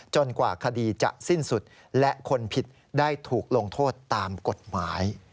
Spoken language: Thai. กว่าคดีจะสิ้นสุดและคนผิดได้ถูกลงโทษตามกฎหมาย